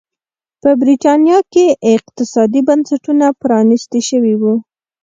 په برېټانیا کې اقتصادي بنسټونه پرانيستي شوي وو.